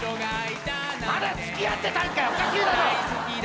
まだ付き合ってたんかい！